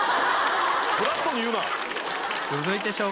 フラットに言うな！